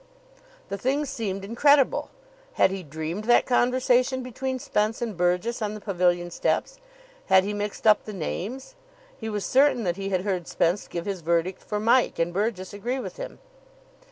The thing seemed incredible. Had he dreamed that conversation between Spence and Burgess on the pavilion steps? Had he mixed up the names? He was certain that he had heard Spence give his verdict for Mike, and Burgess agree with him.